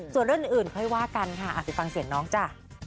ส่วนเรื่องอื่นค่อยว่ากันค่ะไปฟังเสียงน้องจ้ะ